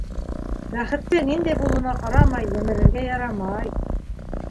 Бәхетте, ниндәй булыуына ҡарамай, емерергә ярамай.